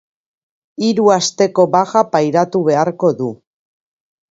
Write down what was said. Hiru asteko baja pairatu beharko du.